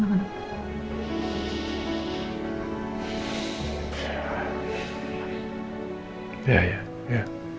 ambil senang lah anak anak